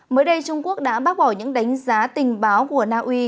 mới đây trung quốc đã bác bỏ những đánh giá tình báo của na uy